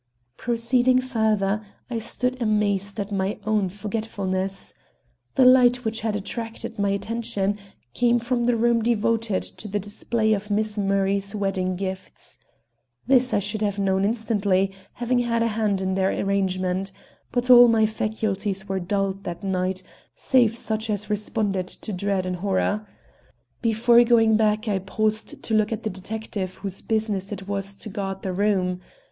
Proceeding further, I stood amazed at my own forgetfulness. The light which had attracted my attention came from the room devoted to the display of Miss Murray's wedding gifts. This I should have known instantly, having had a hand in their arrangement. But all my faculties were dulled that night, save such as responded to dread and horror. Before going back I paused to look at the detective whose business it was to guard the room.